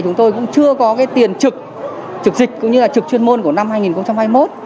chúng tôi cũng chưa có cái tiền trực dịch cũng như là trực chuyên môn của năm hai nghìn hai mươi một